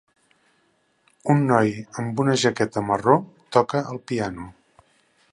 Un noi amb una jaqueta marró toca el piano.